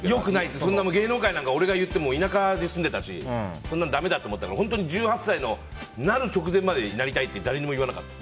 芸能界なんて俺が言っても田舎に住んでたしそんなのだめだと思ってたから本当に１８歳になる直前までなりたいって誰にも言わなかった。